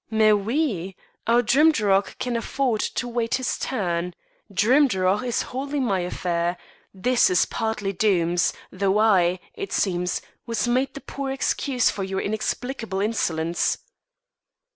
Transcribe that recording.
"Mais oui! Our Drimdarroch can afford to wait his turn. Drimdarroch is wholly my affair; this is partly Doom's, though I, it seems, was made the poor excuse for your inexplicable insolence."